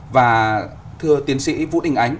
và thưa tiến sĩ vũ đình ánh